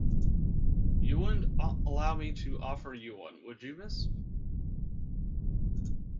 You wouldn't allow me to offer you one, would you miss?